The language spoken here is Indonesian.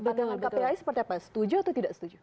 pandangan kpai seperti apa setuju atau tidak setuju